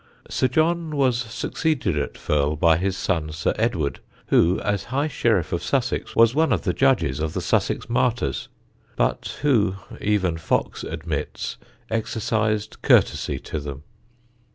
Sir John was succeeded at Firle by his son Sir Edward, who, as High Sheriff of Sussex, was one of the judges of the Sussex martyrs, but who, even Foxe admits, exercised courtesy to them.